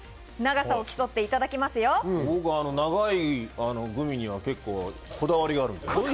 僕は長いグミには結構こだわりがあるんです。